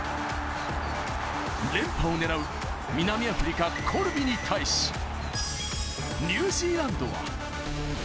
連覇を狙う、南アフリカ・コルビに対し、ニュージーランドは。